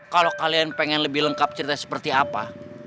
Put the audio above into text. kalau kalian pengen lebih lengkap cerita seperti apa